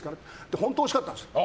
本当においしかったんですよ。